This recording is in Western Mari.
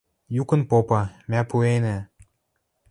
Юкын попа: «Мӓ пуэнӓ.